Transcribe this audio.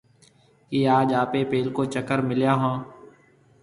ڪِي آج آپيَ پيلڪو چڪر مليا هون؟